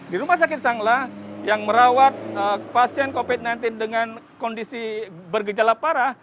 di rumah sakit sangla yang merawat pasien covid sembilan belas dengan kondisi bergejala parah